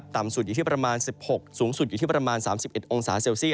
ต่ำสุดอยู่ที่ประมาณ๑๖องศาสูงสุดอยู่ที่ประมาณ๓๑องศา